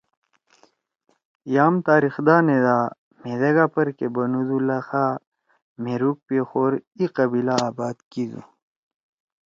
یام تاریخ دانے دا مھیدیگا پرکے بنُودو لکا مھیروک پیخور اِی قبیلہ آباد کیِدُو۔